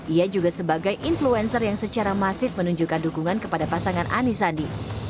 ia juga sebagai influencer yang secara masif menunjukkan dukungan kepada pasangan anisandi